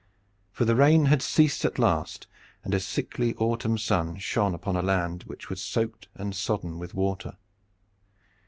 For the rain had ceased at last, and a sickly autumn sun shone upon a land which was soaked and sodden with water.